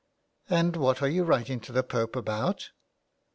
" And what are you writing to the Pope about?